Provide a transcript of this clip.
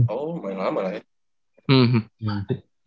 oh lumayan lama lah ya